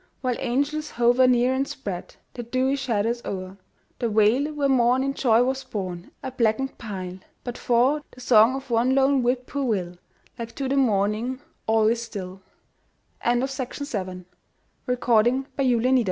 While angels hover near and spread Their dewy shadows o'er The vale where morn in joy was born A blackened pile! But for The song of one lone whip poor will, Like to the morning, all is still! SUNSET ON THE LAKE. 'Tis evening; on Winona Lake The l